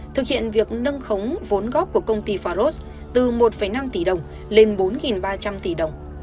thực hiện việc nâng khống vốn góp của công ty faros từ một năm tỷ đồng lên bốn ba trăm linh tỷ đồng